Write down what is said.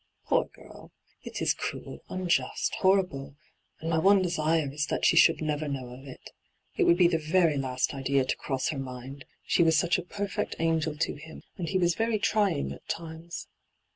' Poor girl I It is cruel, unjust, horrible, and my one desire is that she should never know of it. It would be the very last idea to cross her mind — she was such a perfect angel to him, and he was very trying at times.